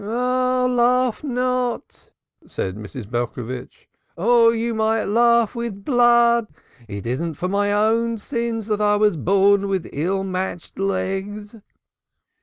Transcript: "Ah, laugh not," said Mrs. Belcovitch. "Or you might laugh with blood. It isn't for my own sins that I was born with ill matched legs."